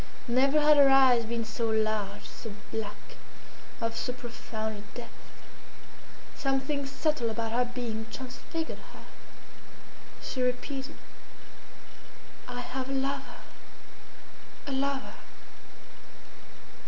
Never had her eyes been so large, so black, of so profound a depth. Something subtle about her being transfigured her. She repeated, "I have a lover! a lover!"